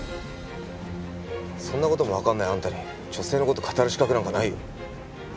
そんな事もわかんないあんたに女性の事を語る資格なんかないよ。